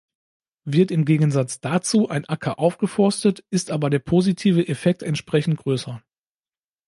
Wird im Gegensatz dazu ein Acker aufgeforstet, ist aber der positive Effekt entsprechend größer.